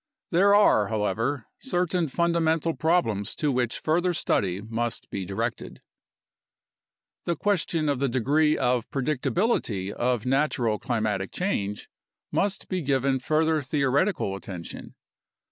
There are, however, certain fundamental problems to which further study must be directed: The question of the degree of predictability of (natural) climatic change must be given further theoretical attention.